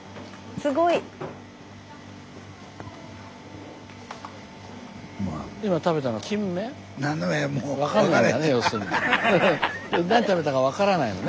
スタジオ何食べたか分からないのね？